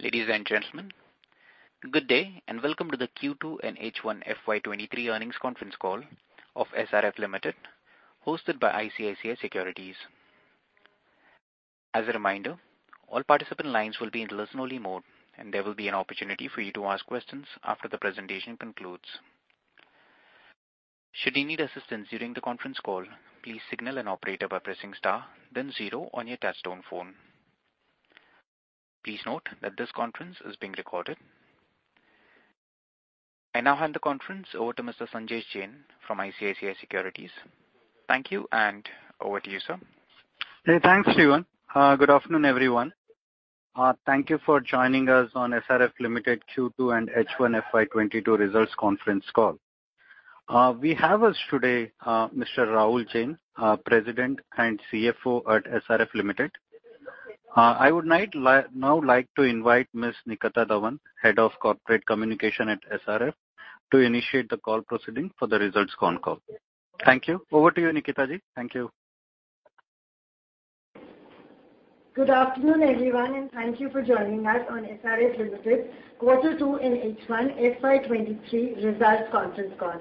Ladies and gentlemen, good day, and welcome to the Q2 and H1 FY 2023 earnings conference call of SRF Limited, hosted by ICICI Securities. As a reminder, all participant lines will be in listen-only mode, and there will be an opportunity for you to ask questions after the presentation concludes. Should you need assistance during the conference call, please signal an operator by pressing star then zero on your touchtone phone. Please note that this conference is being recorded. I now hand the conference over to Mr. Sanjesh Jain from ICICI Securities. Thank you, and over to you, sir. Hey, thanks, Shivan. Good afternoon, everyone. Thank you for joining us on SRF Limited Q2 and H1 FY 2023 results conference call. We have with us today Mr. Rahul Jain, President and CFO at SRF Limited. I would now like to invite Ms. Nitika Dhawan, Head of Corporate Communications at SRF, to initiate the call proceedings for the results conference call. Thank you. Over to you, Nitika. Thank you. Good afternoon, everyone, and thank you for joining us on SRF Limited quarter two and H1 FY 2023 results conference call.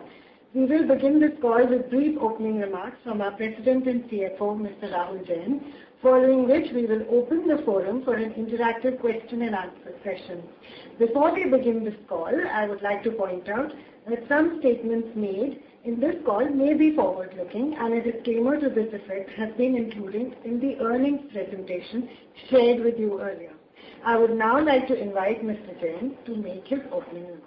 We will begin this call with brief opening remarks from our President and CFO, Mr. Rahul Jain, following which we will open the forum for an interactive question and answer session. Before we begin this call, I would like to point out that some statements made in this call may be forward-looking, and a disclaimer to this effect has been included in the earnings presentation shared with you earlier. I would now like to invite Mr. Jain to make his opening remarks.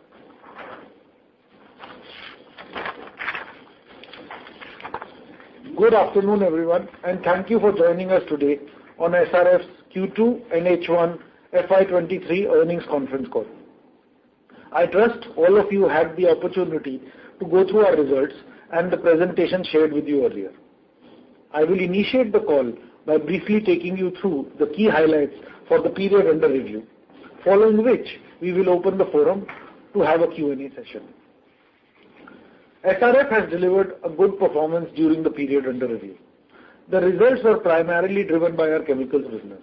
Good afternoon, everyone, and thank you for joining us today on SRF's Q2 and H1 FY 2023 earnings conference call. I trust all of you had the opportunity to go through our results and the presentation shared with you earlier. I will initiate the call by briefly taking you through the key highlights for the period under review, following which we will open the forum to have a Q&A session. SRF Limited has delivered a good performance during the period under review. The results are primarily driven by our Chemicals business.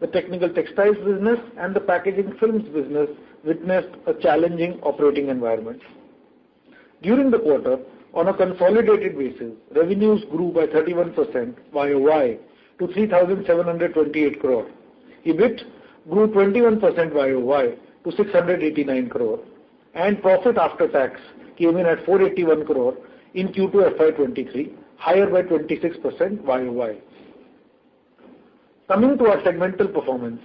The technical textiles business and the packaging films business witnessed a challenging operating environment. During the quarter, on a consolidated basis, revenues grew by 31% YoY to 3,728 crore. EBIT grew 21% YoY to 689 crore, and profit after tax came in at 481 crore in Q2 FY 2023, higher by 26% YoY. Coming to our segmental performance.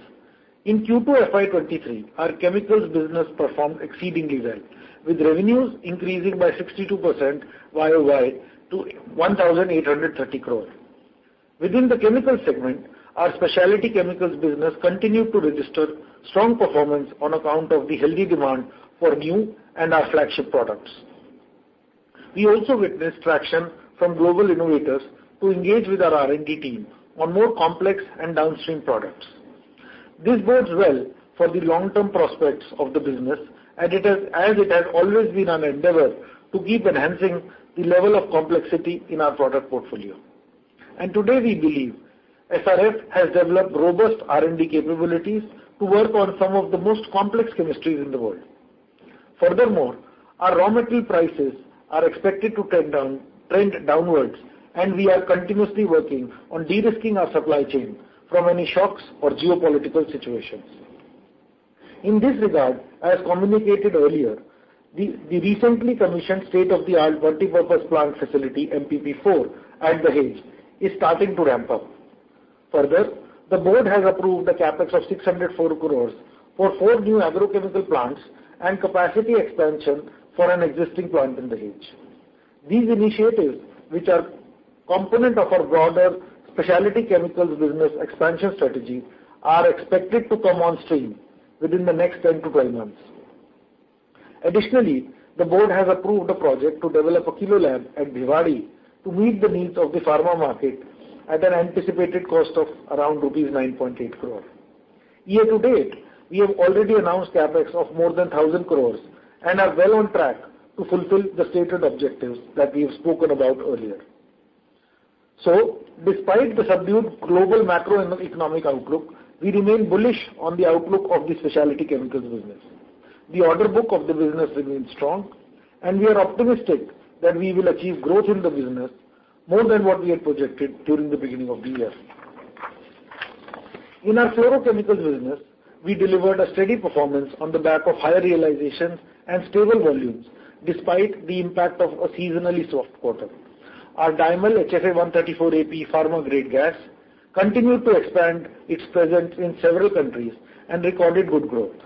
In Q2 FY 2023, our Chemicals business performed exceedingly well, with revenues increasing by 62% YoY to 1,830 crore. Within the Chemical segment, our specialty Chemicals business continued to register strong performance on account of the healthy demand for new and our flagship products. We also witnessed traction from global innovators who engage with our R&D team on more complex and downstream products. This bodes well for the long-term prospects of the business and it has, as it has always been an endeavor to keep enhancing the level of complexity in our product portfolio. Today we believe SRF Limited has developed robust R&D capabilities to work on some of the most complex chemistries in the world. Furthermore, our raw material prices are expected to trend downwards, and we are continuously working on de-risking our supply chain from any shocks or geopolitical situations. In this regard, as communicated earlier, the recently commissioned state-of-the-art multipurpose plant facility, MPP4, at Dahej is starting to ramp up. Further, the board has approved a CapEx of 604 crores for four new agrochemical plants and capacity expansion for an existing plant in Dahej. These initiatives, which are component of our broader specialty Chemicals business expansion strategy, are expected to come on stream within the next 10-12 months. Additionally, the board has approved a project to develop a kilo lab at Bhiwadi to meet the needs of the pharma market at an anticipated cost of around rupees 9.8 crore. Year to date, we have already announced CapEx of more than 1,000 crore and are well on track to fulfill the stated objectives that we have spoken about earlier. Despite the subdued global macroeconomic outlook, we remain bullish on the outlook of the specialty Chemicals business. The order book of the business remains strong, and we are optimistic that we will achieve growth in the business more than what we had projected during the beginning of the year. In our fluorochemicals business, we delivered a steady performance on the back of higher realizations and stable volumes, despite the impact of a seasonally soft quarter. Our Dymel HFA-134a/P pharma grade gas continued to expand its presence in several countries and recorded good growth.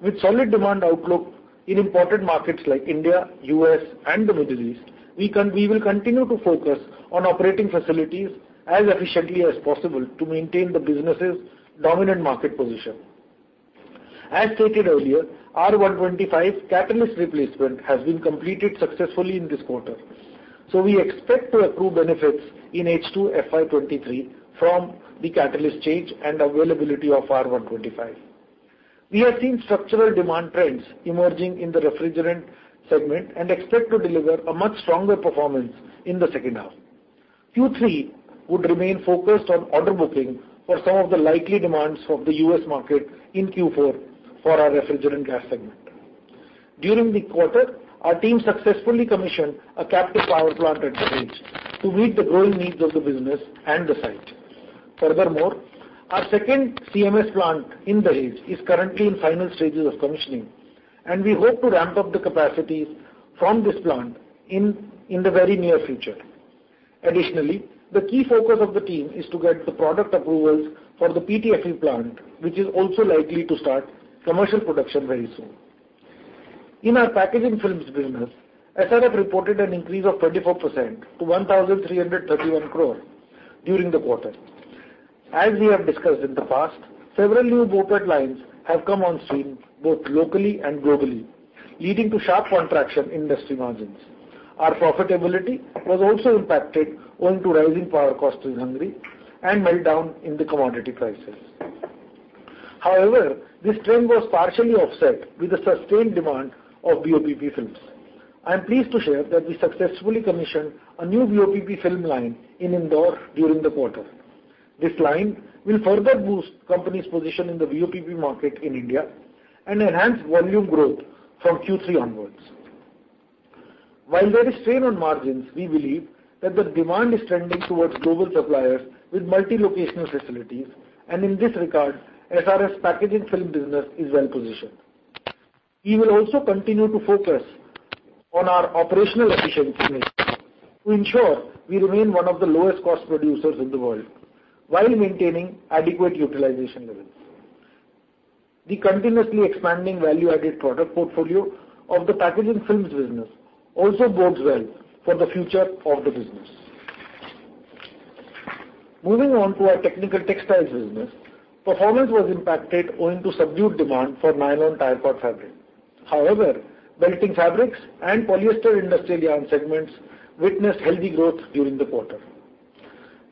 With solid demand outlook in important markets like India, U.S., and the Middle East, we will continue to focus on operating facilities as efficiently as possible to maintain the business's dominant market position. As stated earlier, R-125 catalyst replacement has been completed successfully in this quarter. We expect to accrue benefits in H2 FY 2023 from the catalyst change and availability of R-125. We have seen structural demand trends emerging in the refrigerant segment and expect to deliver a much stronger performance in the second half. Q3 would remain focused on order booking for some of the likely demands of the U.S. market in Q4 for our refrigerant gas segment. During the quarter, our team successfully commissioned a captive power plant at Dahej to meet the growing needs of the business and the site. Furthermore, our second CMS plant in Dahej is currently in final stages of commissioning, and we hope to ramp up the capacities from this plant in the very near future. Additionally, the key focus of the team is to get the product approvals for the PTFE plant, which is also likely to start commercial production very soon. In our packaging films business, SRF Limited reported an increase of 24% to 1,331 crore during the quarter. As we have discussed in the past, several new BOPET lines have come on stream, both locally and globally, leading to sharp contraction in industry margins. Our profitability was also impacted owing to rising power costs in Hungary and meltdown in the commodity prices. However, this trend was partially offset with the sustained demand of BOPP films. I am pleased to share that we successfully commissioned a new BOPP film line in Indore during the quarter. This line will further boost company's position in the BOPP market in India and enhance volume growth from Q3 onwards. While there is strain on margins, we believe that the demand is trending towards global suppliers with multi-locational facilities. In this regard, SRF Limited's packaging film business is well-positioned. We will also continue to focus on our operational efficiencies to ensure we remain one of the lowest cost producers in the world while maintaining adequate utilization levels. The continuously expanding value-added product portfolio of the packaging films business also bodes well for the future of the business. Moving on to our technical textiles business, performance was impacted owing to subdued demand for nylon tire cord fabric. However, Belting Fabrics and Polyester Industrial Yarn segments witnessed healthy growth during the quarter.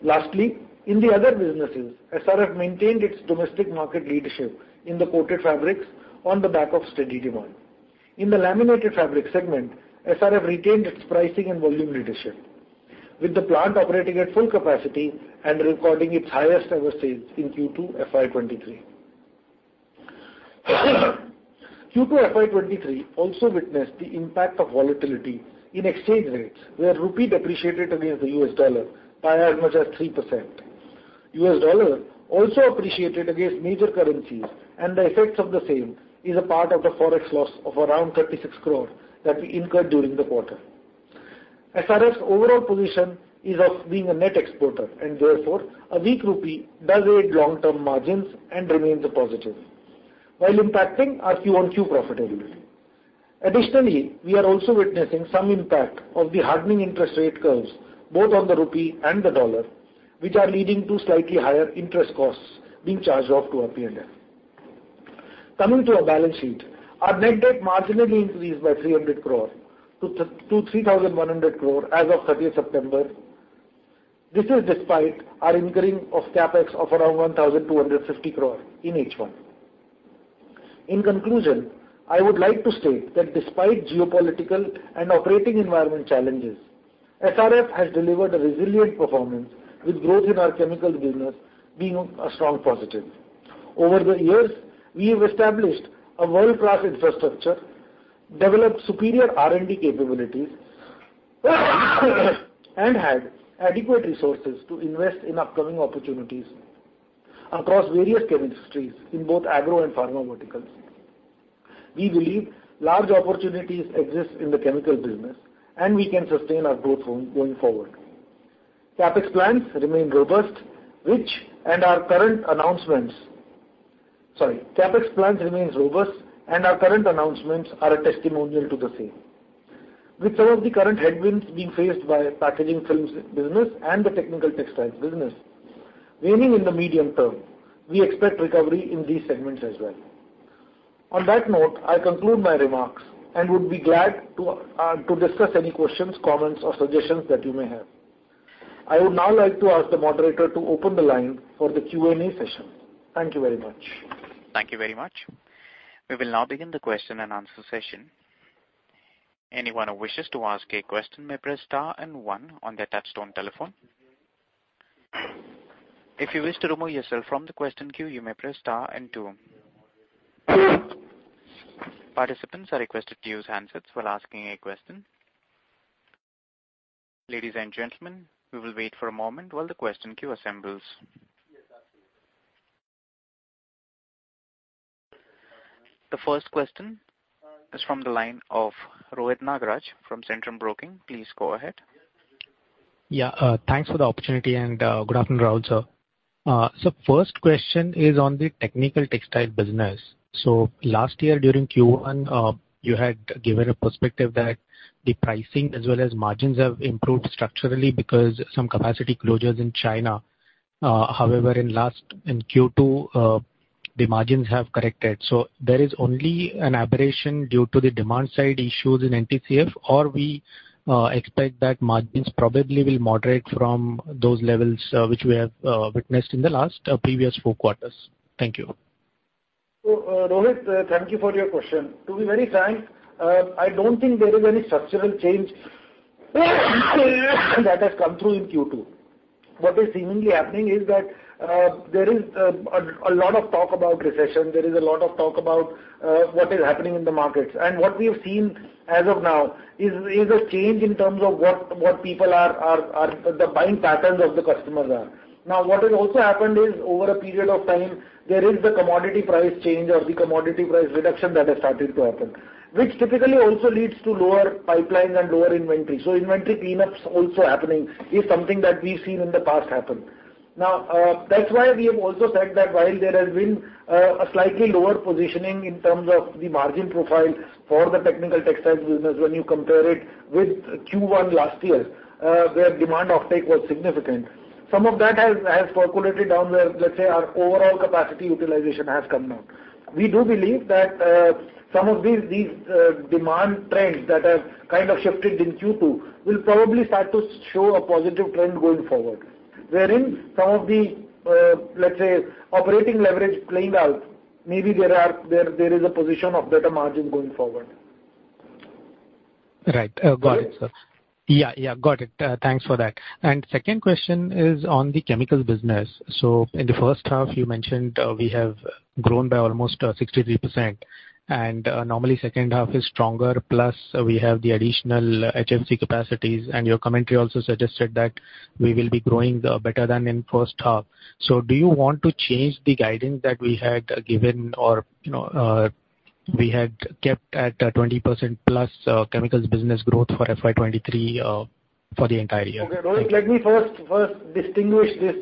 Lastly, in the other businesses, SRF Limited maintained its domestic market leadership in the Coated Fabrics on the back of steady demand. In the Laminated Fabrics segment, SRF Limited retained its pricing and volume leadership, with the plant operating at full capacity and recording its highest ever sales in Q2 FY 2023. Q2 FY 2023 also witnessed the impact of volatility in exchange rates, where rupee depreciated against the U.S. dollar by as much as 3%. U.S. dollar also appreciated against major currencies, and the effects of the same is a part of the Forex loss of around 36 crore that we incurred during the quarter. SRF Limited's overall position is of being a net exporter, and therefore, a weak rupee does aid long-term margins and remains a positive while impacting our Q-on-Q profitability. Additionally, we are also witnessing some impact of the hardening interest rate curves, both on the rupee and the dollar, which are leading to slightly higher interest costs being charged off to our P&L. Coming to our balance sheet, our net debt marginally increased by 300 crore to 3,100 crore as of thirtieth September. This is despite our incurring of CapEx of around 1,250 crore in H1. In conclusion, I would like to state that despite geopolitical and operating environment challenges, SRF Limited has delivered a resilient performance with growth in our Chemical business being a strong positive. Over the years, we have established a world-class infrastructure, developed superior R&D capabilities, and had adequate resources to invest in upcoming opportunities across various chemistries in both agro and pharma verticals. We believe large opportunities exist in the Chemical business, and we can sustain our growth going forward. CapEx plans remains robust, and our current announcements are a testimonial to the same. With some of the current headwinds being faced by our packaging films business and the technical textiles business waning in the medium term, we expect recovery in these segments as well. On that note, I conclude my remarks and would be glad to discuss any questions, comments, or suggestions that you may have. I would now like to ask the moderator to open the line for the Q&A session. Thank you very much. Thank you very much. We will now begin the question-and-answer session. Anyone who wishes to ask a question may press star and one on their touch-tone telephone. If you wish to remove yourself from the question queue, you may press star and two. Participants are requested to use handsets while asking a question. Ladies and gentlemen, we will wait for a moment while the question queue assembles. The first question is from the line of Rohit Nagraj from Centrum Broking. Please go ahead. Yeah, thanks for the opportunity, and good afternoon to all, sir. First question is on the technical textile business. Last year during Q1, you had given a perspective that the pricing as well as margins have improved structurally because some capacity closures in China. However, in Q2, the margins have corrected. There is only an aberration due to the demand side issues in NTCF, or we expect that margins probably will moderate from those levels which we have witnessed in the last previous four quarters? Thank you. Rohit, thank you for your question. To be very frank, I don't think there is any structural change that has come through in Q2. What is seemingly happening is that there is a lot of talk about recession, there is a lot of talk about what is happening in the markets. What we have seen as of now is a change in terms of the buying patterns of the customers are. Now, what has also happened is over a period of time, there is the commodity price change or the commodity price reduction that has started to happen, which typically also leads to lower pipeline and lower inventory. Inventory cleanups also happening is something that we've seen in the past happen. Now, that's why we have also said that while there has been a slightly lower positioning in terms of the margin profile for the technical textiles business when you compare it with Q1 last year, where demand offtake was significant. Some of that has percolated down where, let's say our overall capacity utilization has come down. We do believe that some of these demand trends that have kind of shifted in Q2 will probably start to show a positive trend going forward. Wherein some of the, let's say, operating leverage playing out, maybe there is a position of better margin going forward. Right. Got it, sir. Rohit? Yeah, yeah. Got it. Thanks for that. Second question is on the Chemicals business. In the first half, you mentioned, we have grown by almost, 63%. Normally second half is stronger, plus we have the additional HFC capacities, and your commentary also suggested that we will be growing, better than in first half. Do you want to change the guidance that we had given or, you know, we had kept at, 20%+, Chemicals business growth for FY 2023, for the entire year? Okay, Rohit, let me first distinguish this.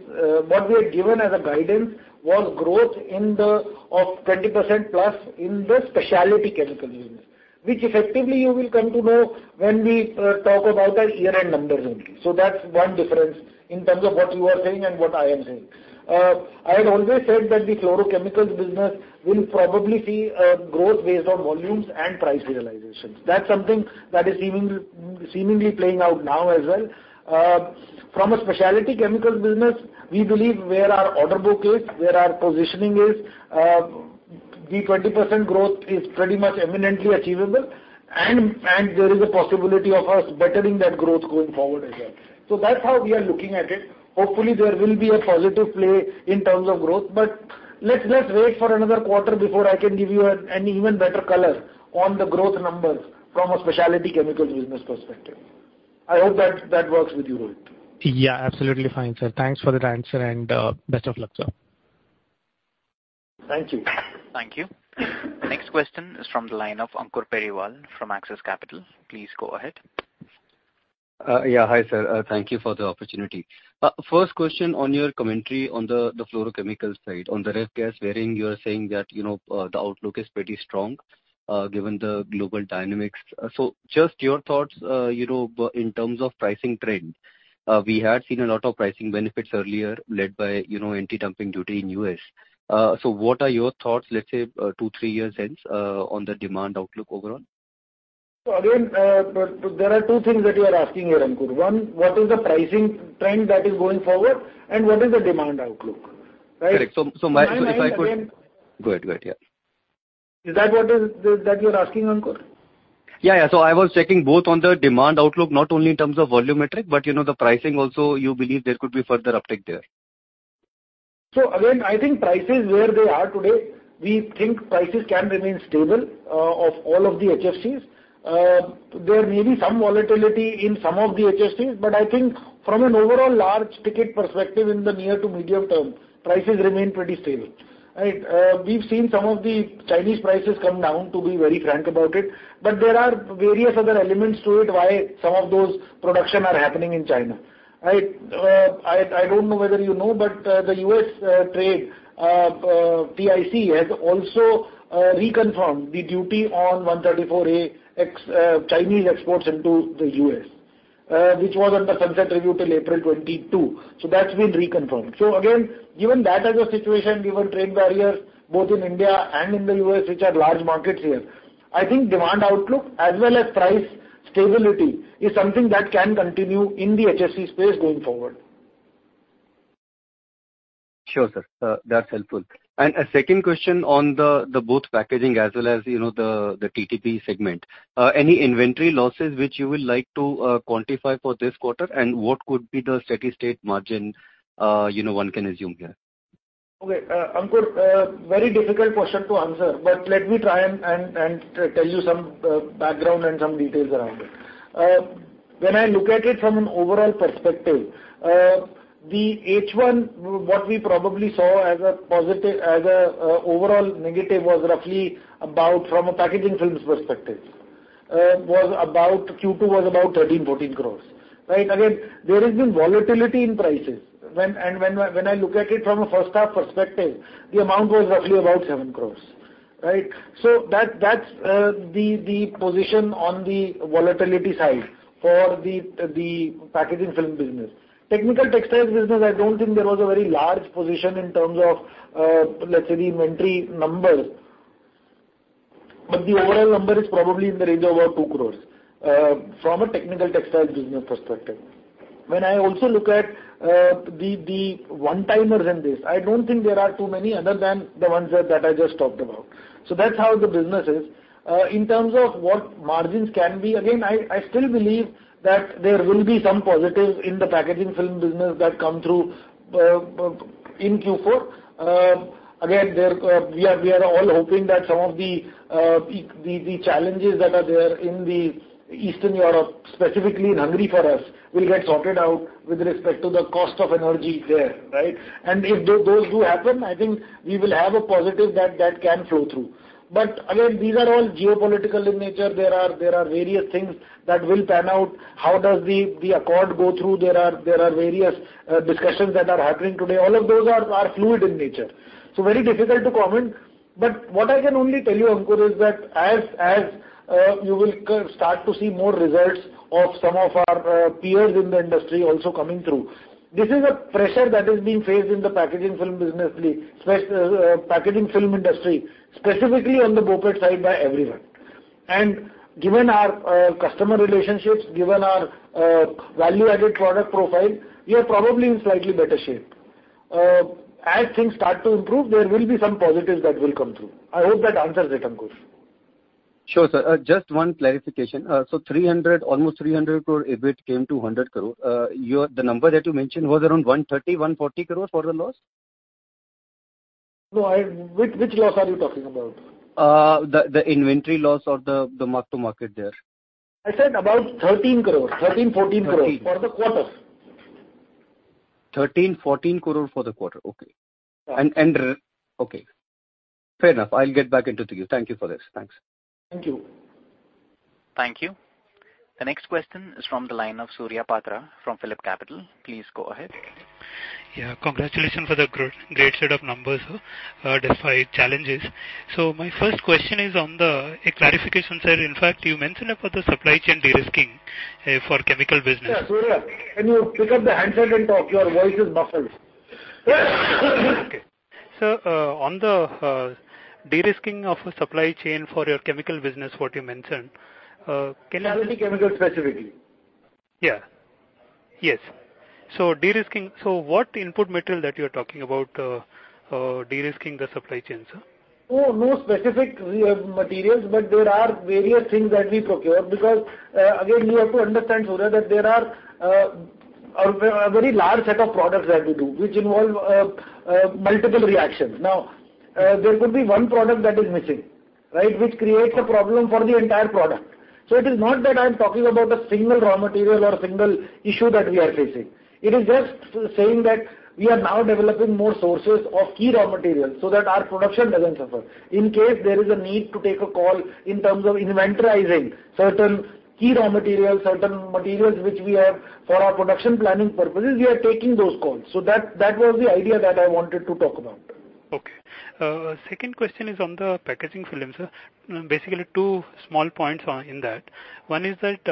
What we had given as a guidance was growth in the order of 20%+ in the specialty chemicals unit, which effectively you will come to know when we talk about the year-end numbers only. That's one difference in terms of what you are saying and what I am saying. I had always said that the fluorochemicals business will probably see growth based on volumes and price realizations. That's something that is seemingly playing out now as well. From a specialty Chemicals business, we believe where our order book is, where our positioning is, the 20% growth is pretty much eminently achievable and there is a possibility of us bettering that growth going forward as well. That's how we are looking at it. Hopefully, there will be a positive play in terms of growth. Let's wait for another quarter before I can give you an even better color on the growth numbers from a specialty Chemicals business perspective. I hope that works with you, Rohit. Yeah, absolutely fine, sir. Thanks for the answer and best of luck, sir. Thank you. Thank you. Next question is from the line of Ankur Periwal from Axis Capital. Please go ahead. Yeah. Hi, sir. Thank you for the opportunity. First question on your commentary on the fluorochemical side, on the refrigerant gas wherein you are saying that, you know, the outlook is pretty strong, given the global dynamics. So just your thoughts, you know, in terms of pricing trend. We had seen a lot of pricing benefits earlier led by, you know, antidumping duty in U.S. So what are your thoughts, let's say, two, three years hence, on the demand outlook overall? Again, there are two things that you are asking here, Ankur. One, what is the pricing trend that is going forward, and what is the demand outlook? Right? Correct. My mind again. Go ahead, yeah. Is that what you're asking, Ankur? Yeah, yeah. I was checking both on the demand outlook, not only in terms of volume metric, but you know, the pricing also, you believe there could be further uptick there. Again, I think prices where they are today, we think prices can remain stable of all of the HFCs. There may be some volatility in some of the HFCs, but I think from an overall large ticket perspective in the near to medium term, prices remain pretty stable, right? We've seen some of the Chinese prices come down, to be very frank about it, but there are various other elements to it why some of those productions are happening in China, right? I don't know whether you know, but the U.S. ITC has also reconfirmed the duty on R-134a ex-China exports into the U.S., which was under sunset review until April 2022. That's been reconfirmed. Again, given that as a situation, given trade barriers both in India and in the U.S., which are large markets here, I think demand outlook as well as price stability is something that can continue in the HFC space going forward. Sure, sir. That's helpful. A second question on both packaging as well as, you know, the TTP segment. Any inventory losses which you would like to quantify for this quarter? What could be the steady-state margin, you know, one can assume here? Okay. Ankur, very difficult question to answer, but let me try and tell you some background and some details around it. When I look at it from an overall perspective, the H1, what we probably saw as an overall negative was roughly about from a packaging films perspective, was about Q2 was about 13 crore-14 crore. Right? Again, there has been volatility in prices. When I look at it from a first half perspective, the amount was roughly about 7 crore, right? That's the position on the volatility side for the packaging film business. Technical textiles business, I don't think there was a very large position in terms of, let's say the inventory numbers. But the overall number is probably in the range of about 2 crore from a technical textile business perspective. When I also look at the one-timers in this, I don't think there are too many other than the ones that I just talked about. That's how the business is. In terms of what margins can be, again, I still believe that there will be some positives in the packaging film business that come through in Q4. Again, we are all hoping that some of the challenges that are there in Eastern Europe, specifically in Hungary for us, will get sorted out with respect to the cost of energy there, right? If those do happen, I think we will have a positive that can flow through. Again, these are all geopolitical in nature. There are various things that will pan out. How does the accord go through? There are various discussions that are happening today. All of those are fluid in nature. Very difficult to comment. What I can only tell you, Ankur, is that as you will start to see more results of some of our peers in the industry also coming through, this is a pressure that is being faced in the packaging film business, the packaging film industry, specifically on the BOPET side by everyone. Given our customer relationships, given our value-added product profile, we are probably in slightly better shape. As things start to improve, there will be some positives that will come through. I hope that answers it, Ankur. Sure, sir. Just one clarification. 300 crore, almost 300 crore EBIT came to 100 crore. The number that you mentioned was around 130 crores-140 crores for the loss? No, which loss are you talking about? The inventory loss or the mark to market there. I said about 13 crore-14 crore. 13 crore For the quarter. 13 crore-14 crore for the quarter, okay. Yeah. Okay. Fair enough. I'll get back to you. Thank you for this. Thanks. Thank you. Thank you. The next question is from the line of Surya Patra from PhillipCapital. Please go ahead. Congratulations for the great set of numbers, sir, despite challenges. My first question is on a clarification, sir. In fact, you mentioned about the supply chain de-risking for Chemical business. Yeah, Surya, can you pick up the handset and talk? Your voice is muffled. Okay. Sir, on the de-risking of supply chain for your Chemical business, what you mentioned, can you? Specialty chemicals specifically. Yeah. Yes. What input material that you're talking about de-risking the supply chain, sir? Oh, no specific materials, but there are various things that we procure. Because, again, you have to understand, Surya, that there are a very large set of products that we do, which involve multiple reactions. Now, there could be one product that is missing, right, which creates a problem for the entire product. It is not that I'm talking about a single raw material or a single issue that we are facing. It is just saying that we are now developing more sources of key raw materials so that our production doesn't suffer. In case there is a need to take a call in terms of inventorizing certain key raw materials, certain materials which we have for our production planning purposes, we are taking those calls. That was the idea that I wanted to talk about. Okay. Second question is on the packaging films, sir. Basically, two small points in that. One is that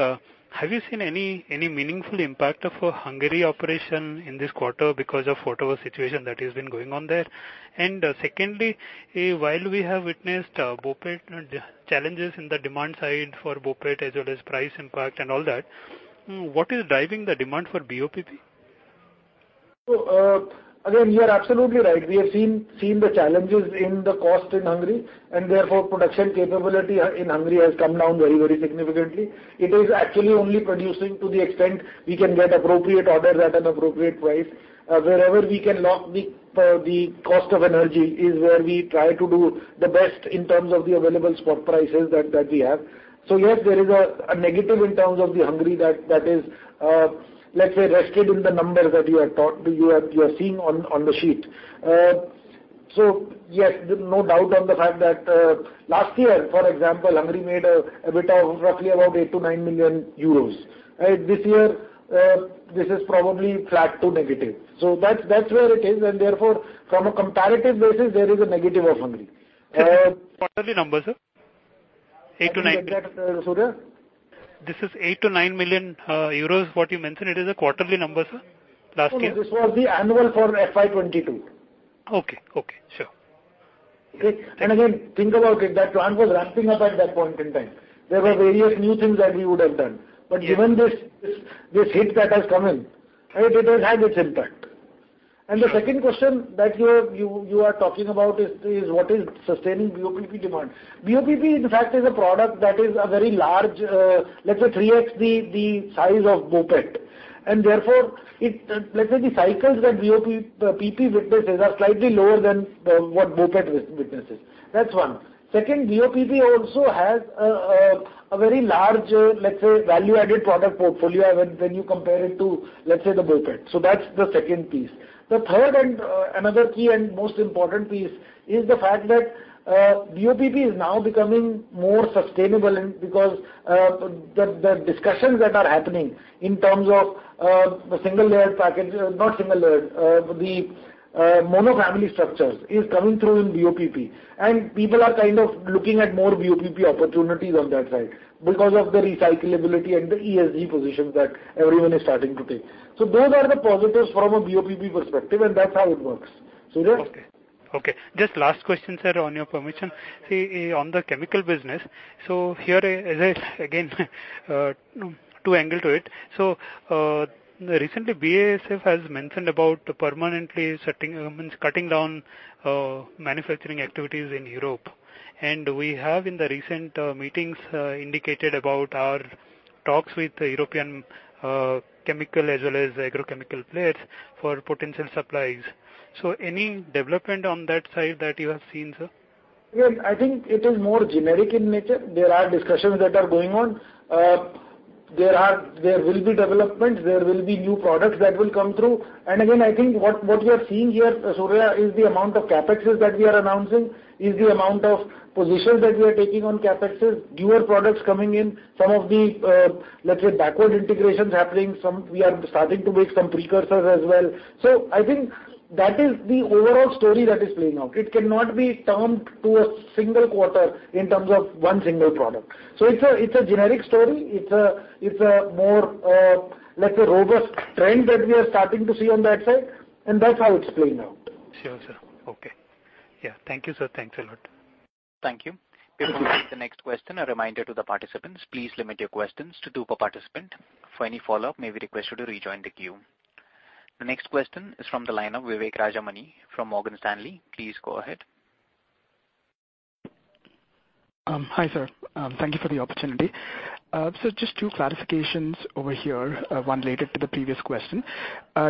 have you seen any meaningful impact of Hungary operation in this quarter because of whatever situation that has been going on there? Secondly, while we have witnessed BOPET challenges in the demand side for BOPET as well as price impact and all that, what is driving the demand for BOPP? Again, you're absolutely right. We have seen the challenges in the cost in Hungary, and therefore, production capability in Hungary has come down very, very significantly. It is actually only producing to the extent we can get appropriate orders at an appropriate price. Wherever we can lock the cost of energy is where we try to do the best in terms of the available spot prices that we have. Yes, there is a negative in terms of the Hungary that is, let's say, reflected in the numbers that you are seeing on the sheet. No doubt on the fact that, last year, for example, Hungary made a bit of roughly about 8 million- 9 million euros, right? This year, this is probably flat to negative. That's where it is. Therefore, from a comparative basis, there is a negative of Hungary. Quarterly numbers, sir? 8 million-9 million. I'm sorry, Surya? This is 8 million-9 million euros what you mentioned. It is a quarterly number, sir, last year? No, this was the annual for FY 2022. Okay. Sure. Okay? Again, think about it. That plant was ramping up at that point in time. There were various new things that we would have done. Yeah. Given this hit that has come in, right, it has had its impact. The second question that you're talking about is what is sustaining BOPP demand. BOPP, in fact, is a product that is a very large, let's say 3x the size of BOPET. Therefore, it, let's say the cycles that BOPP witnesses are slightly lower than what BOPET witnesses. That's one. Second, BOPP also has a very large, let's say, value-added product portfolio when you compare it to, let's say, the BOPET. That's the second piece. The third and another key and most important piece is the fact that BOPP is now becoming more sustainable because the discussions that are happening in terms of the mono-material structures is coming through in BOPP. People are kind of looking at more BOPP opportunities on that side because of the recyclability and the ESG positions that everyone is starting to take. Those are the positives from a BOPP perspective, and that's how it works. Okay. Just last question, sir, on your permission. See, on the Chemical business, here is again two angles to it. Recently, BASF has mentioned about permanently cutting down manufacturing activities in Europe. We have in the recent meetings indicated about our talks with the European chemical as well as agrochemical players for potential supplies. Any development on that side that you have seen, sir? Yeah. I think it is more generic in nature. There are discussions that are going on. There will be developments, there will be new products that will come through. I think what we are seeing here, Surya, is the amount of CapExes that we are announcing, is the amount of positions that we are taking on CapExes, newer products coming in, some of the, let's say, backward integrations happening, some we are starting to make some precursors as well. I think that is the overall story that is playing out. It cannot be termed to a single quarter in terms of one single product. It's a generic story. It's a more, let's say, robust trend that we are starting to see on that side, and that's how it's playing out. Sure, sir. Okay. Yeah. Thank you, sir. Thanks a lot. Thank you. Before we take the next question, a reminder to the participants, please limit your questions to two per participant. For any follow-up, may we request you to rejoin the queue. The next question is from the line of Vivek Rajamani from Morgan Stanley. Please go ahead. Hi, sir. Thank you for the opportunity. So just two clarifications over here, one related to the previous question.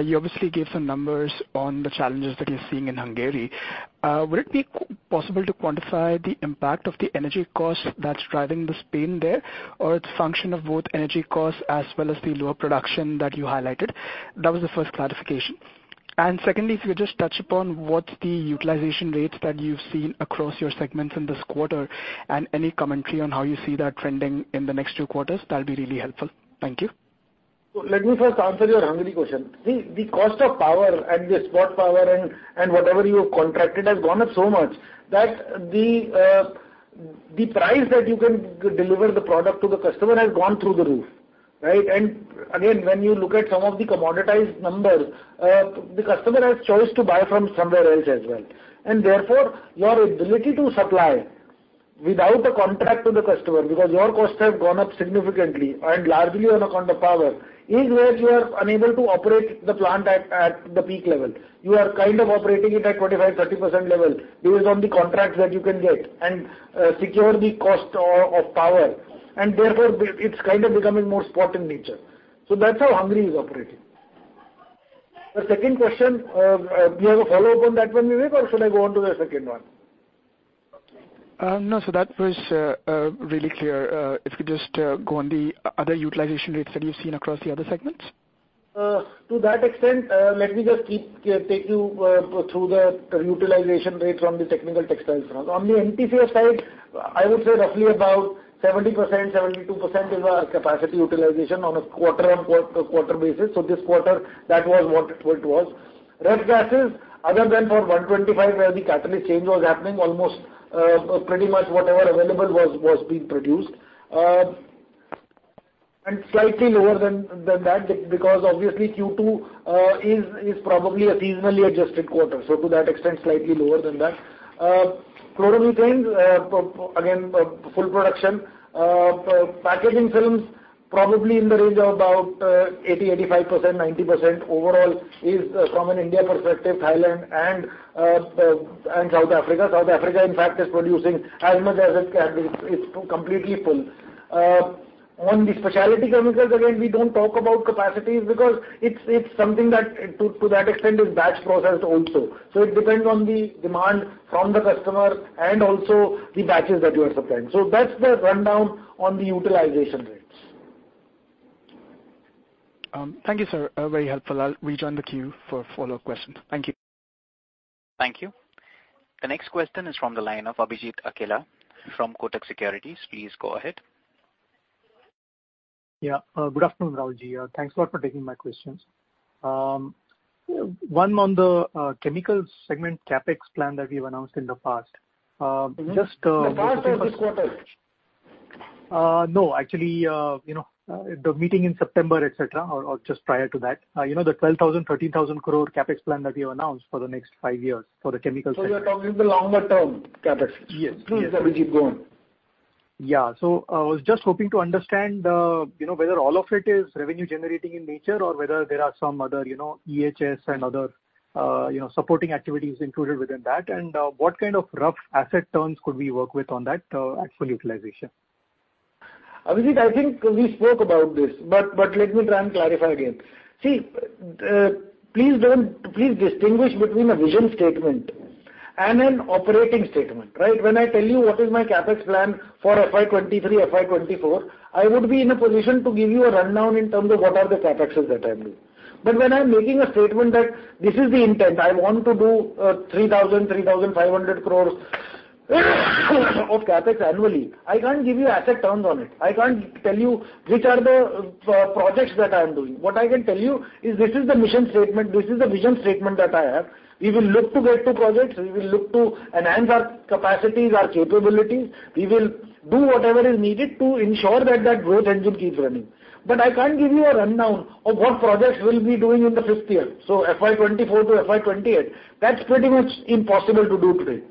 You obviously gave some numbers on the challenges that you're seeing in Hungary. Would it be possible to quantify the impact of the energy cost that's driving this pain there, or it's function of both energy costs as well as the lower production that you highlighted? That was the first clarification. Secondly, if you just touch upon what's the utilization rates that you've seen across your segments in this quarter, and any commentary on how you see that trending in the next two quarters, that'll be really helpful. Thank you. Let me first answer your Hungary question. The cost of power and the spot power and whatever you have contracted has gone up so much that the price that you can deliver the product to the customer has gone through the roof, right? Again, when you look at some of the commoditized numbers, the customer has choice to buy from somewhere else as well. Therefore, your ability to supply without a contract to the customer, because your costs have gone up significantly and largely on account of power, is where you are unable to operate the plant at the peak level. You are kind of operating it at 25%-30% level based on the contracts that you can get and secure the cost of power, and therefore, it's kind of becoming more spot in nature. That's how Hungary is operating. The second question, do you have a follow-up on that one, Vivek, or should I go on to the second one? That was really clear. If you just go on the other utilization rates that you've seen across the other segments. To that extent, let me just take you through the utilization rate from the technical textiles front. On the MTFS side, I would say roughly about 70%, 72% is our capacity utilization on a quarter-on-quarter basis. This quarter, that was what it was. Ref gases, other than for R-125, where the catalyst change was happening, almost, pretty much whatever available was being produced. Slightly lower than that because obviously Q2 is probably a seasonally adjusted quarter. To that extent, slightly lower than that. Chloromethanes, packaging again, full production. Packaging films probably in the range of about 80%-85%, 90% overall from an Indian perspective, Thailand and South Africa. South Africa, in fact, is producing as much as it can. It's completely full. On the specialty chemicals, again, we don't talk about capacity because it's something that to that extent is batch processed also. That's the rundown on the utilization rates. Thank you, sir. Very helpful. I'll rejoin the queue for follow-up questions. Thank you. Thank you. The next question is from the line of Abhijit Akella from Kotak Securities. Please go ahead. Good afternoon, Rahul. Thanks a lot for taking my questions. One on the chemical segment CapEx plan that you've announced in the past. Just, The past or this quarter? No, actually, you know, the meeting in September, et cetera, or just prior to that. You know, the 12,000 crore-13,000 crore CapEx plan that you've announced for the next five years for the chemical sector. You're talking the longer-term CapEx? Yes. Yes. Please, Abhijit, go on. Yeah. I was just hoping to understand, you know, whether all of it is revenue generating in nature or whether there are some other, you know, EHS and other, you know, supporting activities included within that. What kind of rough asset turns could we work with on that, actual utilization? Abhijit, I think we spoke about this, but let me try and clarify again. See, please distinguish between a vision statement and an operating statement, right? When I tell you what is my CapEx plan for FY 2023, FY 2024, I would be in a position to give you a rundown in terms of what are the CapExes that I'm doing. But when I'm making a statement that this is the intent, I want to do 3,500 crores of CapEx annually, I can't give you asset turns on it. I can't tell you which are the projects that I am doing. What I can tell you is this is the mission statement, this is the vision statement that I have. We will look to get to projects, we will look to enhance our capacities, our capabilities. We will do whatever is needed to ensure that that growth engine keeps running. I can't give you a rundown of what projects we'll be doing in the fifth year. FY 2024 to FY 2028, that's pretty much impossible to do today.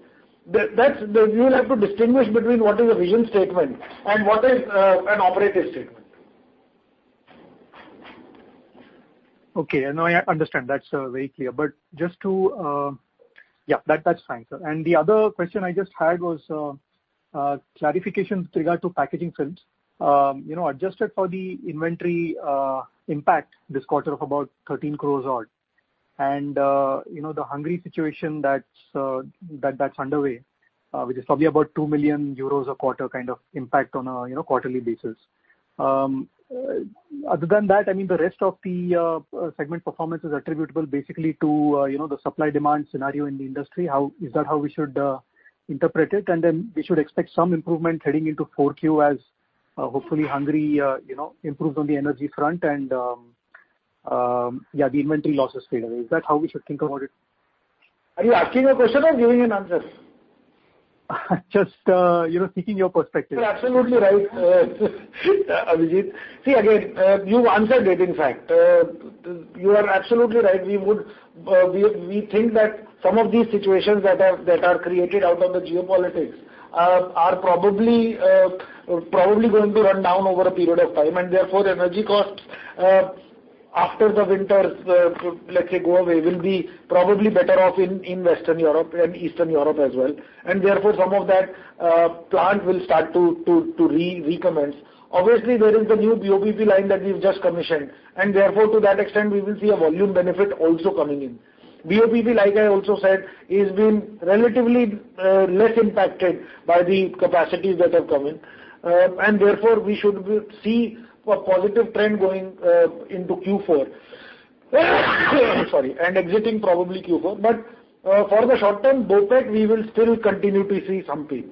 That you will have to distinguish between what is a vision statement and what is an operative statement. Okay. Now I understand. That's very clear. Yeah, that's fine, sir. The other question I just had was clarification with regard to packaging films. You know, adjusted for the inventory impact this quarter of about 13 crore odd. You know, the Hungary situation that's underway, which is probably about 2 million euros a quarter kind of impact on a you know quarterly basis. Other than that, I mean, the rest of the segment performance is attributable basically to you know the supply demand scenario in the industry. Is that how we should interpret it? Then we should expect some improvement heading into Q4 as hopefully Hungary you know improves on the energy front and yeah the inventory losses fade away. Is that how we should think about it? Are you asking a question or giving an answer? Just, you know, seeking your perspective. You're absolutely right, Abhijit. See, again, you answered it, in fact. You are absolutely right. We think that some of these situations that are created out of the geopolitics are probably going to run down over a period of time. Therefore, the energy costs, after the winter, let's say go away, will be probably better off in Western Europe and Eastern Europe as well. Therefore, some of that plant will start to recommence. Obviously, there is the new BOPP line that we've just commissioned, and therefore, to that extent, we will see a volume benefit also coming in. BOPP, like I also said, is being relatively less impacted by the capacities that have come in. Therefore, we should see a positive trend going into Q4. I'm sorry. Exiting probably Q4. For the short term, BOPET, we will still continue to see some pain.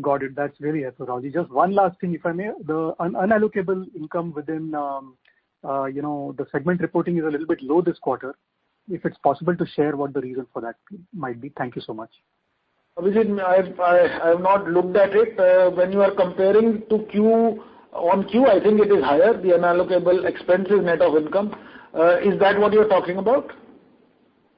Got it. That's very helpful, Rahul. Just one last thing, if I may. The unallocable income within, you know, the segment reporting is a little bit low this quarter. If it's possible to share what the reason for that might be. Thank you so much. Abhijit, I've not looked at it. When you are comparing Q2, Q1, I think it is higher, the unallocable expenses net of income. Is that what you're talking about?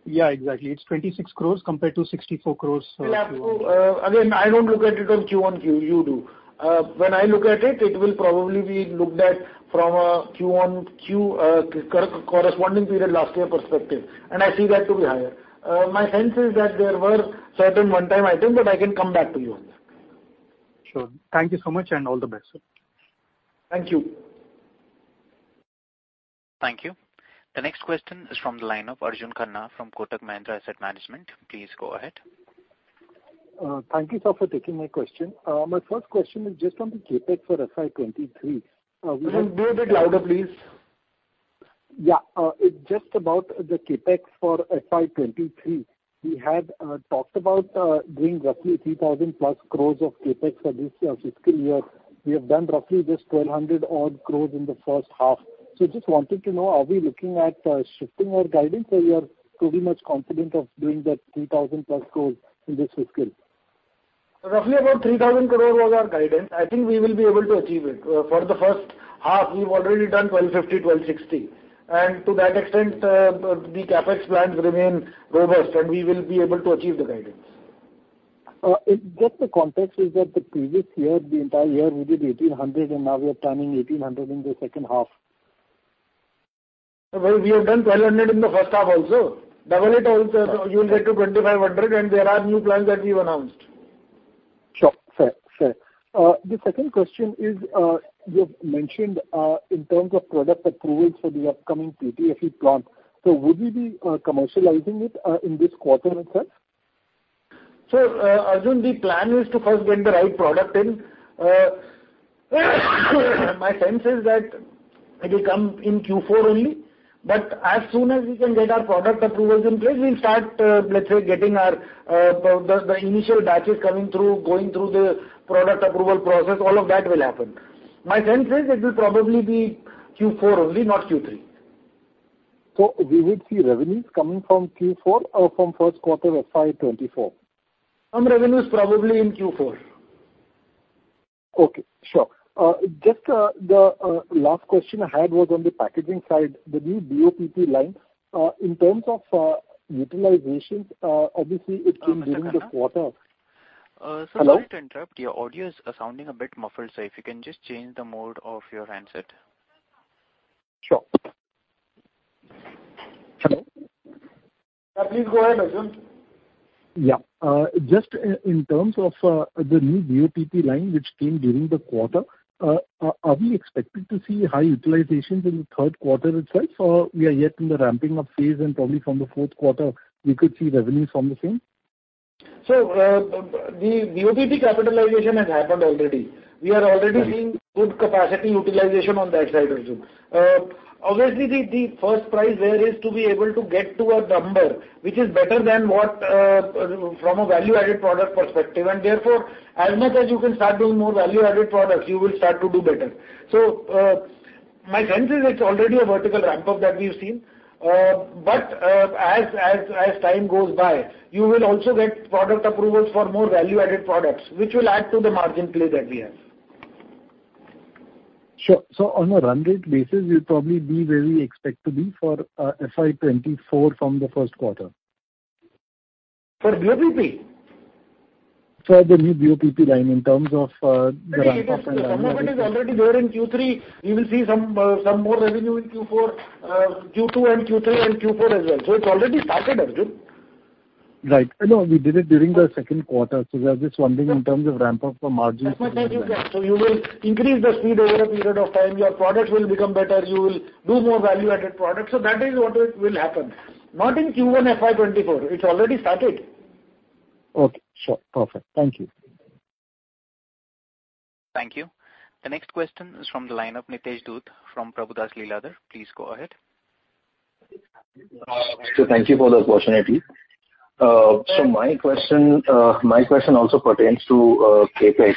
Yeah, exactly. It's 26 crore compared to 64 crore. You'll have to again, I don't look at it on Q-on-Q. You do. When I look at it will probably be looked at from a Q-on-Q corresponding period last year perspective, and I see that to be higher. My sense is that there were certain one-time items, but I can come back to you on that. Sure. Thank you so much, and all the best, sir. Thank you. Thank you. The next question is from the line of Arjun Khanna from Kotak Mahindra Asset Management. Please go ahead. Thank you, sir, for taking my question. My first question is just on the CapEx for FY 2023. Arjun, be a bit louder, please. Yeah. It's just about the CapEx for FY 2023. We had talked about doing roughly 3,000+ crores of CapEx for this fiscal year. We have done roughly just 1,200-odd crores in the first half. Just wanted to know, are we looking at shifting our guidance, or you are pretty much confident of doing that 3,000+ crores in this fiscal? Roughly about 3,000 crore was our guidance. I think we will be able to achieve it. For the first half, we've already done 1,250 crore, 1,260 crore. To that extent, the CapEx plans remain robust, and we will be able to achieve the guidance. Just the context is that the previous year, the entire year, we did 1,800 crore, and now we are turning 1,800 crore in the second half. Well, we have done 1,200 crore in the first half also. Double it also, so you'll get to 2,500 crore, and there are new plans that we've announced. Sure. Fair. The second question is, you've mentioned in terms of product approvals for the upcoming PTFE plant. Would we be commercializing it in this quarter itself? Arjun, the plan is to first get the right product in. My sense is that it'll come in Q4 only. As soon as we can get our product approvals in place, we'll start, let's say, getting the initial batches coming through, going through the product approval process, all of that will happen. My sense is it will probably be Q4 only, not Q3. We would see revenues coming from Q4 or from first quarter of FY 2024? Revenues probably in Q4. Okay. Sure. Just the last question I had was on the packaging side. The new BOPP line, in terms of utilization, obviously it came during this quarter. Arjun Khanna. Hello? Sir, sorry to interrupt. Your audio is sounding a bit muffled. If you can just change the mode of your handset. Sure. Hello? Yeah. Please go ahead, Arjun. Yeah. Just in terms of the new BOPP line which came during the quarter, are we expected to see high utilizations in the third quarter itself, or we are yet in the ramping up phase and probably from the fourth quarter we could see revenues from the same? The BOPP capitalization has happened already. We are already seeing good capacity utilization on that side also. Obviously, the first prize there is to be able to get to a number which is better than what from a value-added product perspective. Therefore, as much as you can start doing more value-added products, you will start to do better. My sense is it's already a vertical ramp-up that we've seen. But as time goes by, you will also get product approvals for more value-added products, which will add to the margin play that we have. Sure. On a run rate basis, you'll probably be where we expect to be for FY 2024 from the first quarter. For BOPP? For the new BOPP line in terms of the ramp-up. Some of it is already there in Q3. You will see some more revenue in Q4, Q2 and Q3 and Q4 as well. It's already started, Arjun. Right. I know we did it during the second quarter, so I was just wondering in terms of ramp-up for margins. That's what I said, yeah. You will increase the speed over a period of time. Your products will become better. You will do more value-added products. That is what it will happen. Not in Q1 FY 2024. It's already started. Okay, sure. Perfect. Thank you. Thank you. The next question is from the line of Nitesh Dhoot from Prabhudas Lilladher. Please go ahead. Sir, thank you for the opportunity. My question also pertains to CapEx.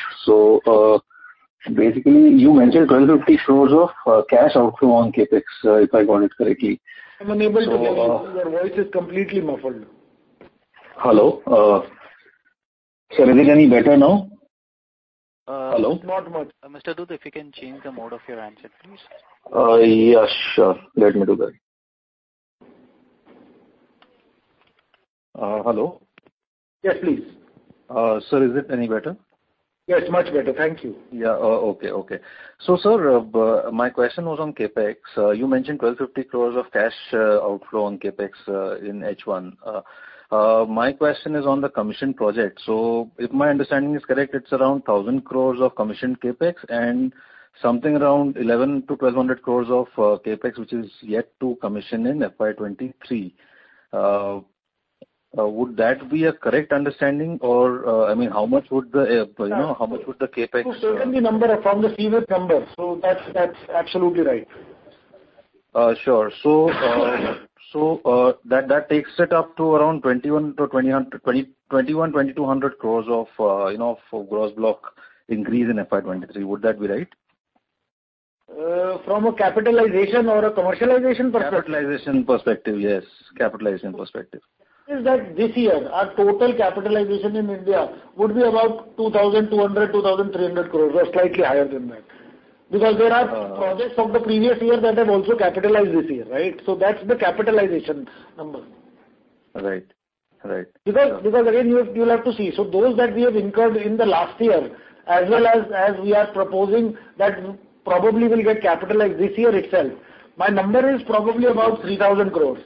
Basically, you mentioned 12 crore-15 crore of cash outflow on CapEx, if I got it correctly. I'm unable to hear you. Your voice is completely muffled. Hello? Sir, is it any better now? Hello? Not much. Mr. Dhoot, if you can change the mode of your handset, please. Yes, sure. Let me do that. Hello? Yes, please. Sir, is it any better? Yes, much better. Thank you. Sir, my question was on CapEx. You mentioned 1,250 crore of cash outflow on CapEx in H1. My question is on the commissioning project. If my understanding is correct, it's around 1,000 crore of commissioning CapEx and something around 1,100 crore-1,200 crore of CapEx, which is yet to commission in FY 2023. Would that be a correct understanding or, I mean, you know, how much would the CapEx- Certainly, numbers from the C-word number. That's absolutely right. Sure. That takes it up to around 2,100 crores-2,200 crores, you know, for gross block increase in FY 2023. Would that be right? From a capitalization or a commercialization perspective? Capitalization perspective, yes. Capitalization perspective. Is that this year, our total capitalization in India would be about 2,200 crore-2,300 crore or slightly higher than that. Because there are projects from the previous year that have also capitalized this year, right? That's the capitalization number. Right. Right. Because again, you'll have to see. Those that we have incurred in the last year, as well as as we are proposing, that probably will get capitalized this year itself. My number is probably about 3,000 crore.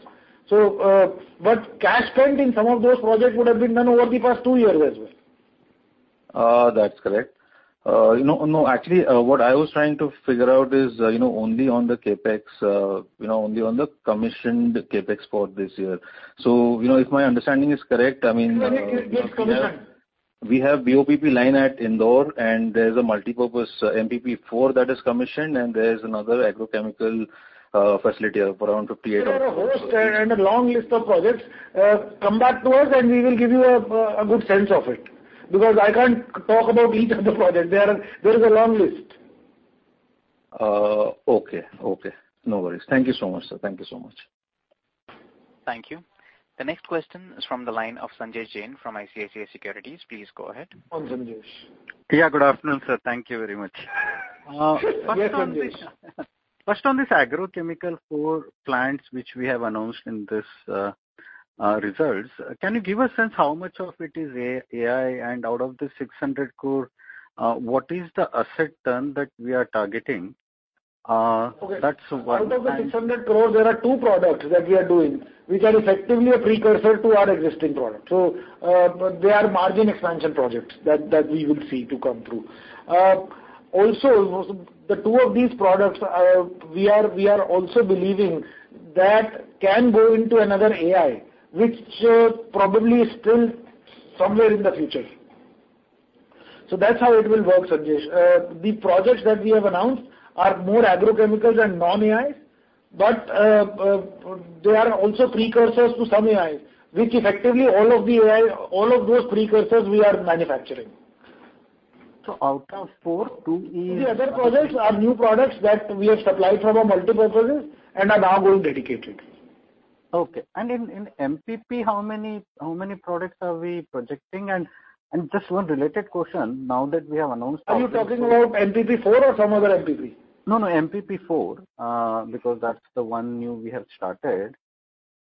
Cash spent in some of those projects would have been done over the past two years as well. That's correct. You know, no, actually, what I was trying to figure out is, you know, only on the CapEx, you know, only on the commissioned CapEx for this year. You know, if my understanding is correct, I mean, we have- Yes, commissioned. We have BOPP line at Indore, and there's a multipurpose MPP4 that is commissioned, and there's another agrochemical facility of around 58- There are a host and a long list of projects. Come back to us, and we will give you a good sense of it. Because I can't talk about each of the projects. There is a long list. Okay. Okay, no worries. Thank you so much, sir. Thank you so much. Thank you. The next question is from the line of Sanjesh Jain from ICICI Securities. Please go ahead. On Sanjesh. Yeah, good afternoon, sir. Thank you very much. Yes, Sanjesh. First on this agrochemical four plants which we have announced in this results, can you give a sense how much of it is AI, and out of the 600 crore, what is the asset turn that we are targeting? That's one- Okay. Out of the 600 crore, there are two products that we are doing which are effectively a precursor to our existing product. They are margin expansion projects that we would see to come through. The two of these products, we are also believing that can go into another API, which probably is still somewhere in the future. That's how it will work, Sanjesh. The projects that we have announced are more agrochemicals and non-API, but they are also precursors to some API, which effectively all of the API, all of those precursors we are manufacturing. Out of four, two is. The other projects are new products that we have supplied from our multipurpose and are now going dedicated. Okay. MPP4, how many products are we projecting? Just one related question now that we have announced. Are you talking about MPP4 or some other MPP? No, no, MPP4, because that's the one new we have started.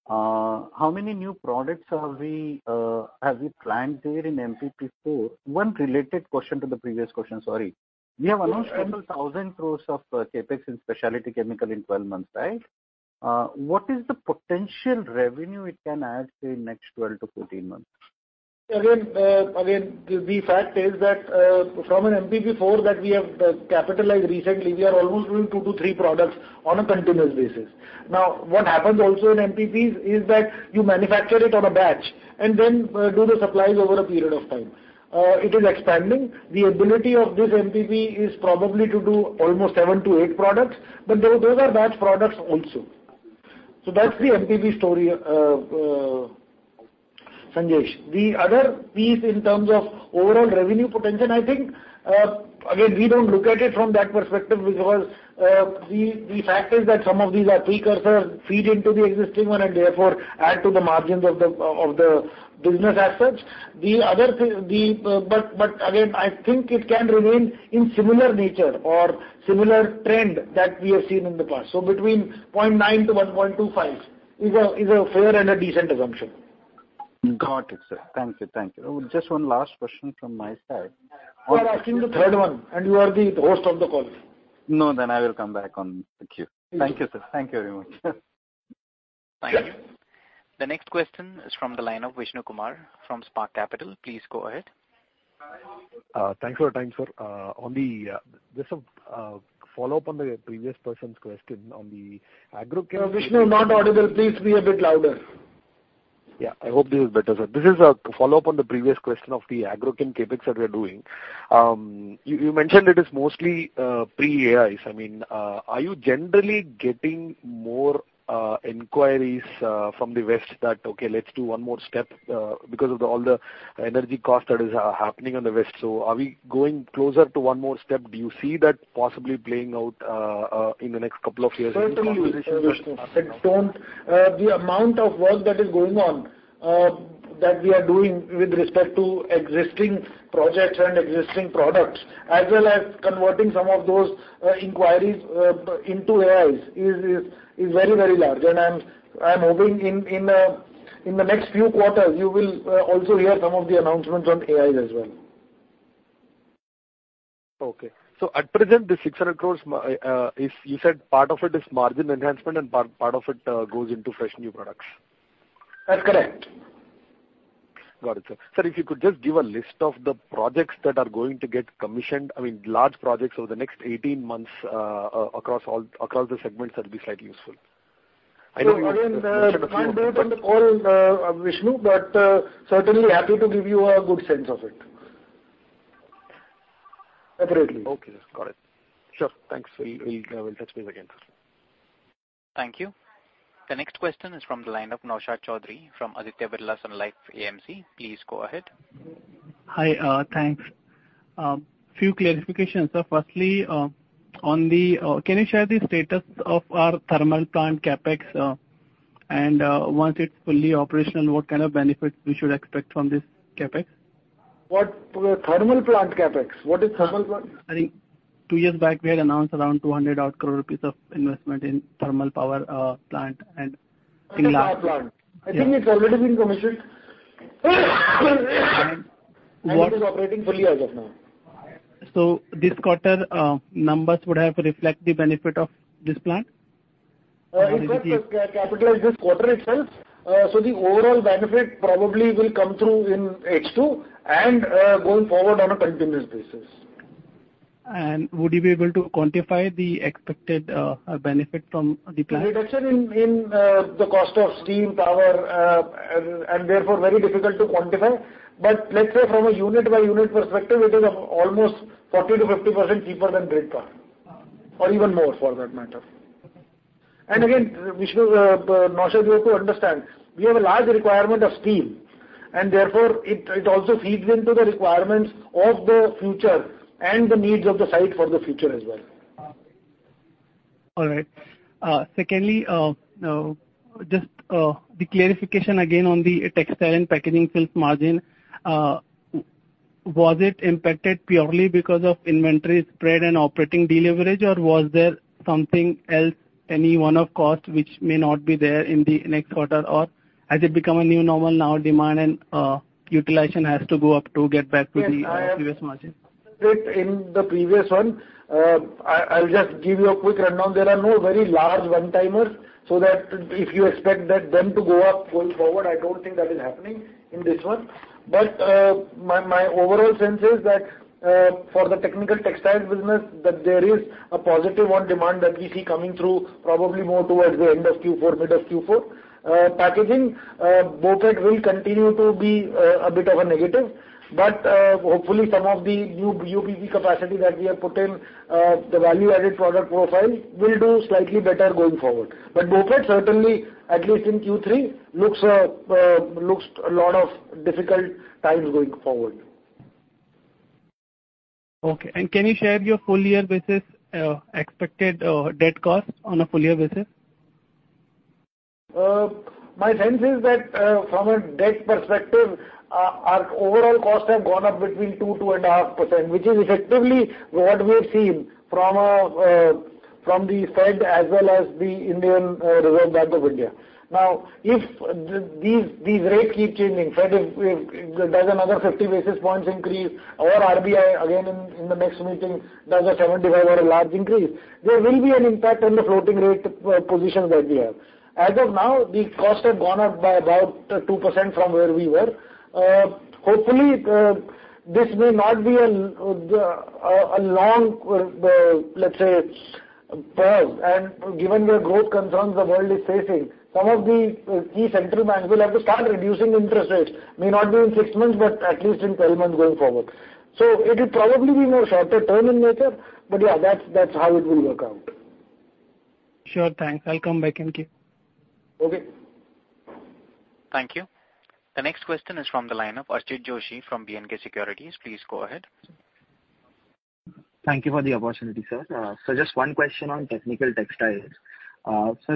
How many new products have we planned there in MPP4? One related question to the previous question, sorry. We have announced 10,000 crore of CapEx in specialty chemical in 12 months, right? What is the potential revenue it can add, say, in next 12-14 months? The fact is that from an MPP4 that we have capitalized recently, we are almost doing two to three products on a continuous basis. What happens also in MPPs is that you manufacture it on a batch and then do the supplies over a period of time. It is expanding. The ability of this MPP is probably to do almost seven to eight products, but those are batch products also. That's the MPP story, Sanjesh. The other piece in terms of overall revenue potential, I think, again, we don't look at it from that perspective because the fact is that some of these are precursors feed into the existing one and therefore add to the margins of the business as such. Again, I think it can remain in similar nature or similar trend that we have seen in the past. Between 0.9 to 1.25 is a fair and decent assumption. Got it, sir. Thank you. Thank you. Just one last question from my side. You are asking the third one, and you are the host of the call. No, I will come back on the queue. Thank you. Thank you, sir. Thank you very much. Thank you. The next question is from the line of Vishnu Kumar from Spark Capital. Please go ahead. Thanks for the time, sir. Just a follow-up on the previous person's question on the Agro- Vishnu, you're not audible. Please be a bit louder. Yeah, I hope this is better, sir. This is a follow-up on the previous question of the agrochemical CapEx that we are doing. You mentioned it is mostly pre-AIs. I mean, are you generally getting more inquiries from the West that, okay, let's do one more step, because of all the energy cost that is happening on the West. Are we going closer to one more step? Do you see that possibly playing out in the next couple of years in conversations with customers? Certainly, Vishnu. The amount of work that is going on that we are doing with respect to existing projects and existing products, as well as converting some of those inquiries into AIs is very, very large. I'm hoping in the next few quarters, you will also hear some of the announcements on AIs as well. At present, 600 crore, as you said, part of it is margin enhancement and part of it goes into fresh new products. That's correct. Got it, sir. Sir, if you could just give a list of the projects that are going to get commissioned, I mean, large projects over the next 18 months, across all the segments that'll be slightly useful. I know you mentioned a few, but- Again, can't do it on the call, Vishnu, but certainly happy to give you a good sense of it separately. Okay. Got it. Sure. Thanks. We'll touch base again. Thank you. The next question is from the line of Naushad Chaudhary from Aditya Birla Sun Life AMC. Please go ahead. Hi. Thanks. Few clarifications. Firstly, on the, can you share the status of our thermal plant CapEx? Once it's fully operational, what kind of benefits we should expect from this CapEx? What? Thermal plant CapEx. What is thermal plant? I think two years back, we had announced around 200 odd crore of investment in thermal power plant and in last- Thermal power plant. Yeah. I think it's already been commissioned. What- It is operating fully as of now. This quarter, numbers would have reflect the benefit of this plant? If the- In fact, capitalized this quarter itself. The overall benefit probably will come through in H2 and going forward on a continuous basis. Would you be able to quantify the expected benefit from the plant? Reduction in the cost of steam, power, and therefore very difficult to quantify. Let's say from a unit-by-unit perspective, it is of almost 40%-50% cheaper than grid power. Wow. even more for that matter. Okay. Naushad, you have to understand, we have a large requirement of steam, and therefore it also feeds into the requirements of the future and the needs of the site for the future as well. Secondly, just the clarification again on the textile and packaging films margin, was it impacted purely because of inventory spread and operating deleverage, or was there something else, any one-off cost which may not be there in the next quarter? Or has it become a new normal now, demand and utilization has to go up to get back to the previous margin? Yes. I have said in the previous one. I'll just give you a quick rundown. There are no very large one-timers, so that if you expect that them to go up going forward, I don't think that is happening in this one. My overall sense is that for the technical textiles business, there is a positive on demand that we see coming through probably more towards the end of Q4, mid of Q4. Packaging, BOPET will continue to be a bit of a negative, but hopefully some of the new SRF Limited capacity that we have put in the value-added product profile will do slightly better going forward. BOPET certainly, at least in Q3, looks like a lot of difficult times going forward. Okay. Can you share your full year basis, expected, debt cost on a full year basis? My sense is that from a debt perspective, our overall costs have gone up between 2%-2.5%, which is effectively what we've seen from the Fed as well as the Reserve Bank of India. Now, if these rates keep changing, if the Fed does another 50 basis points increase or RBI again in the next meeting does a 75 basis points or a large increase, there will be an impact on the floating rate positions that we have. As of now, the cost has gone up by about 2% from where we were. Hopefully this may not be a long, let's say, pause. Given the growth concerns the world is facing, some of the key central banks will have to start reducing interest rates, may not be in six months, but at least in 12 months going forward. It'll probably be more shorter term in nature. Yeah, that's how it will work out. Sure. Thanks. I'll come back and queue. Okay. Thank you. The next question is from the line of Archit Joshi from B&K Securities. Please go ahead. Thank you for the opportunity, sir. Just one question on technical textiles.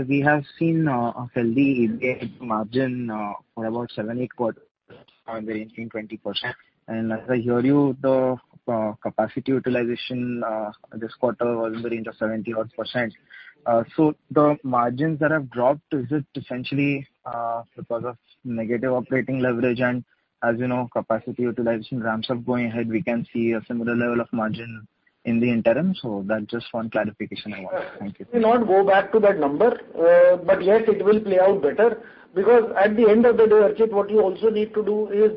We have seen a healthy margin for about seven to eight quarters ranging 20%. As I hear you, the capacity utilization this quarter was in the range of 70-odd%. The margins that have dropped, is it essentially because of negative operating leverage? As you know, capacity utilization ramps up going ahead, we can see a similar level of margin in the interim. That's just one clarification I want. Thank you. It may not go back to that number, but yes, it will play out better because at the end of the day, Archit, what you also need to do is,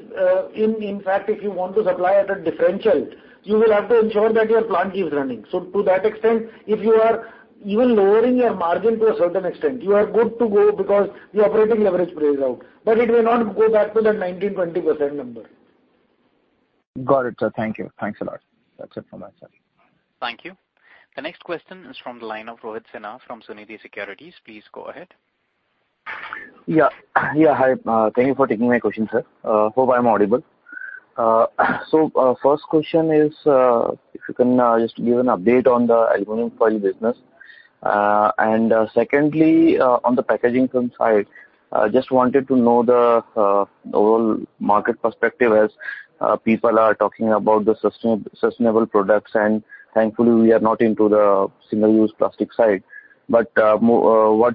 in fact, if you want to supply at a differential, you will have to ensure that your plant keeps running. To that extent, if you are even lowering your margin to a certain extent, you are good to go because the operating leverage plays out, but it may not go back to the 19%-20% number. Got it, sir. Thank you. Thanks a lot. That's it from my side. Thank you. The next question is from the line of Rohit Sinha from Sunidhi Securities. Please go ahead. Yeah. Hi. Thank you for taking my question, sir. Hope I'm audible. So, first question is, if you can just give an update on the Aluminium Foil business. Secondly, on the packaging film side, I just wanted to know the overall market perspective as people are talking about the sustainable products, and thankfully, we are not into the single-use plastic side. What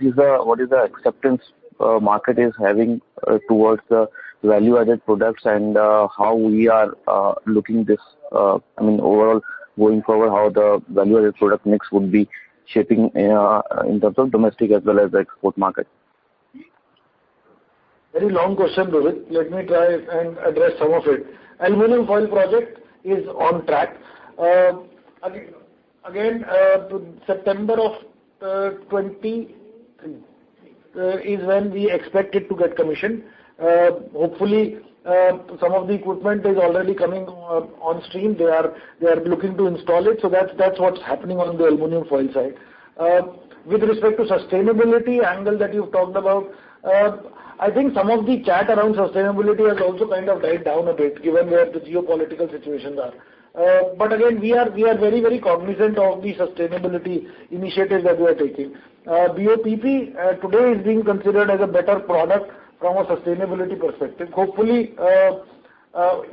is the acceptance market is having towards the value-added products and how we are looking this, I mean, overall, going forward, how the value-added product mix would be shaping in terms of domestic as well as the export market. Very long question, Rohit. Let me try and address some of it. Aluminium Foil project is on track. Again, September of 2024 is when we expect it to get commissioned. Hopefully, some of the equipment is already coming onstream. They are looking to install it. So that's what's happening on the Aluminium Foil side. With respect to sustainability angle that you've talked about, I think some of the chat around sustainability has also kind of died down a bit given where the geopolitical situations are. Again, we are very cognizant of the sustainability initiatives that we are taking. BOPP today is being considered as a better product from a sustainability perspective. Hopefully,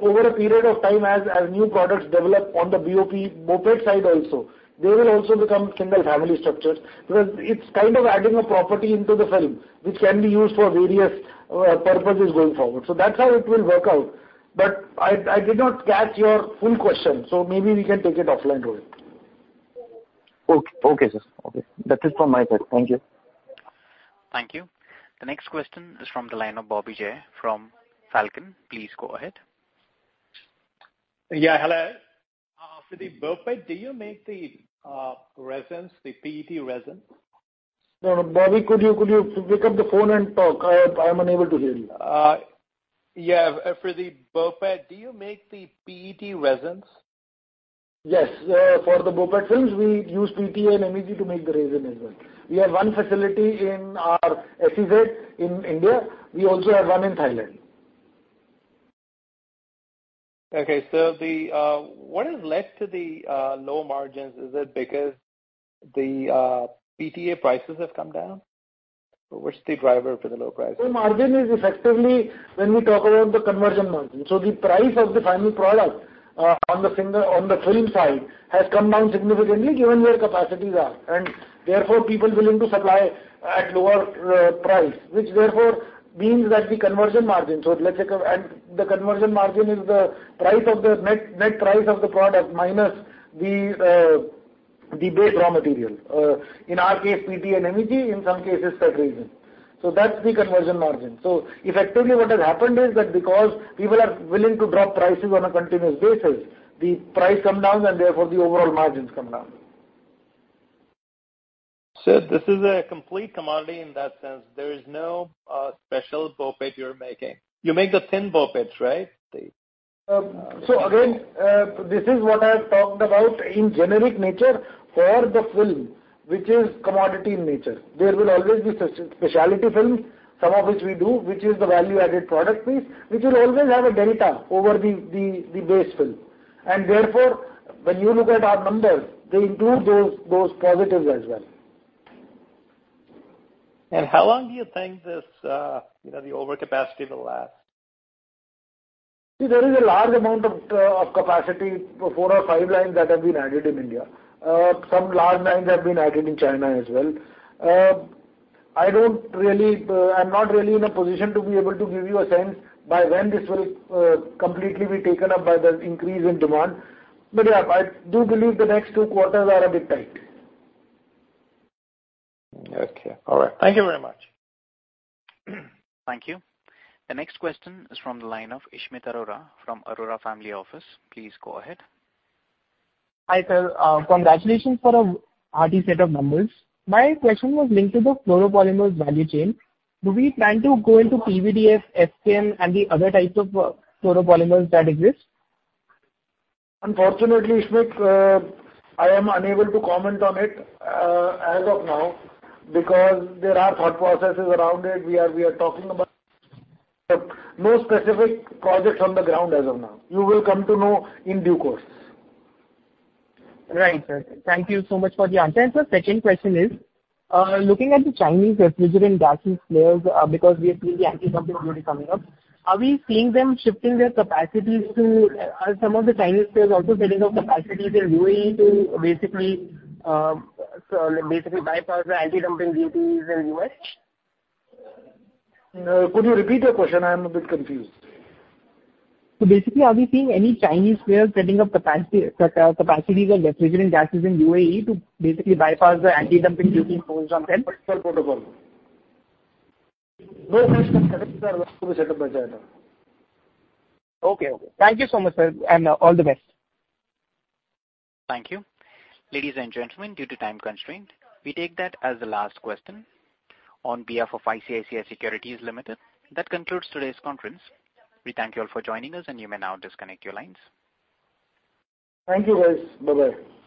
over a period of time as new products develop on the BOPET side also, they will also become mono-material structures because it's kind of adding a property into the film, which can be used for various purposes going forward. That's how it will work out. I did not catch your full question, so maybe we can take it offline, Rohit. Okay, sir. Okay. That is from my side. Thank you. Thank you. The next question is from the line of Bobby Jayaraman from Falcon. Please go ahead. Yeah. Hello. For the BOPET, do you make the resins, the PET resin? No. Bobby, could you pick up the phone and talk? I'm unable to hear you. Yeah. For the BOPET, do you make the PET resins? Yes. For the BOPET films, we use PTA and MEG to make the resin as well. We have one facility in our SEZ in India. We also have one in Thailand. Okay. What has led to the low margins? Is it because the PTA prices have come down? What's the driver for the low price? The margin is effectively when we talk about the conversion margin. The price of the final product, on the film side has come down significantly given where capacities are, and therefore people are willing to supply at lower price, which therefore means that the conversion margin. Let's say and the conversion margin is the price of the net price of the product minus the base raw material. In our case, PTA and MEG, in some cases, PET resin. That's the conversion margin. Effectively what has happened is that because people are willing to drop prices on a continuous basis, the prices come down, and therefore the overall margins come down. This is a complete commodity in that sense. There is no special BOPET you're making. You make the thin BOPETs, right? Again, this is what I've talked about in generic nature for the film, which is commodity in nature. There will always be specialty films, some of which we do, which is the value-added product piece, which will always have a delta over the base film. Therefore, when you look at our numbers, they include those positives as well. How long do you think this, you know, the overcapacity will last? See, there is a large amount of capacity, four or five lines that have been added in India. Some large lines have been added in China as well. I'm not really in a position to be able to give you a sense by when this will completely be taken up by the increase in demand. Yeah, I do believe the next two quarters are a bit tight. Okay. All right. Thank you very much. Thank you. The next question is from the line of Ishmohit Arora from Arora Family Office. Please go ahead. Hi, sir. Congratulations for a hearty set of numbers. My question was linked to the fluoropolymers value chain. Do we plan to go into PVDF, FPM, and the other types of fluoropolymers that exist? Unfortunately, Ishmohit, I am unable to comment on it as of now because there are thought processes around it. We are talking about it. No specific projects on the ground as of now. You will come to know in due course. Right, sir. Thank you so much for the answer. Sir, second question is, looking at the Chinese refrigerant and gases players, because we have seen the anti-dumping already coming up, are we seeing them shifting their capacities, are some of the Chinese players also setting up capacities in UAE to basically, so basically bypass the anti-dumping duties in U.S.? Could you repeat your question? I am a bit confused. Basically, are we seeing any Chinese players setting up capacity, capacities or refrigerant gases in UAE to basically bypass the antidumping duty imposed on them? Okay. Okay. Thank you so much, sir, and all the best. Thank you. Ladies and gentlemen, due to time constraint, we take that as the last question. On behalf of ICICI Securities Limited, that concludes today's conference. We thank you all for joining us, and you may now disconnect your lines. Thank you, guys. Bye-bye.